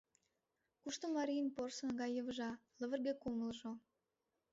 Кушто марийын порсын гай йывыжа, лывырге кумылжо?